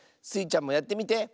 スイちゃんもやってみて。